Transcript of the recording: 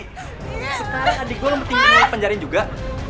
sekarang adik gue lu pentingin gue dipenjarain juga